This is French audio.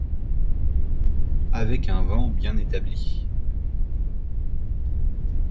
Avec un vent bien établi